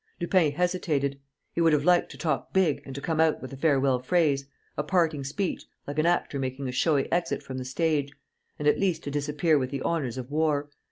Lupin hesitated. He would have liked to talk big and to come out with a farewell phrase, a parting speech, like an actor making a showy exit from the stage, and at least to disappear with the honours of war.